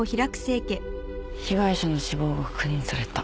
被害者の死亡が確認された。